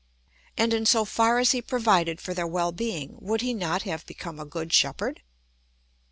And in so far as he provided for their well being, would he not have become a good shepherd?